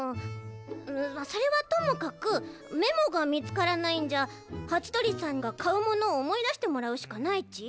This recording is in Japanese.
それはともかくメモがみつからないんじゃハチドリさんがかうものをおもいだしてもらうしかないち。